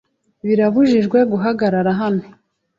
Birabujijwe guhagarara hano.